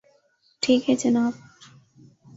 ٹھیک ہے جناب